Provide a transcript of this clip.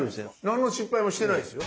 何の失敗もしてないですよ。